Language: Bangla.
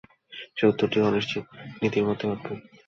সে উত্তরটিও অনিশ্চয়তা নীতির মতোই অদ্ভুত!